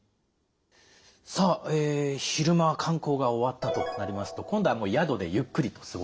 さあ昼間観光が終わったとなりますと今度はもう宿でゆっくりと過ごすということですね。